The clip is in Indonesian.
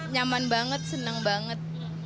nyaman banget senang banget